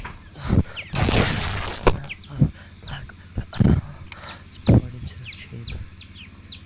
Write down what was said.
A measured amount of black powder is poured into a chamber.